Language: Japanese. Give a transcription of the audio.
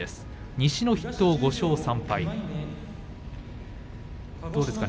西の筆頭、５勝３敗どうですかね